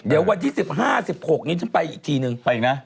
เดี๋ยววันที่๑๕๑๖นี้ฉันไปอีกทีนึงไปอีกนะ